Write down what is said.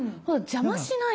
邪魔はしない。